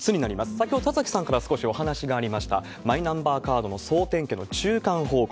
先ほど、田崎さんから少しお話がありました、マイナンバーカードの総点検の中間報告。